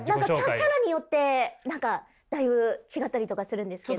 キャラによって何かだいぶ違ったりとかするんですけど。